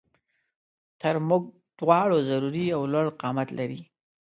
تر مونږ دواړو ضروري او لوړ قامت لري